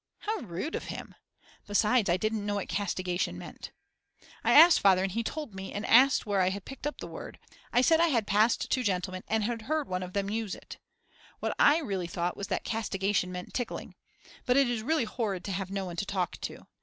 How rude of him. Besides, I didn't know what castigation meant. I asked Father and he told me and asked where I had picked up the word. I said I had passed 2 gentlemen and had heard one of them use it. What I really thought was that castigation meant tickling. But it is really horrid to have no one to talk to.